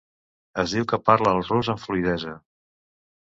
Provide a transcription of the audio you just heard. Es diu que parla el rus amb fluïdesa.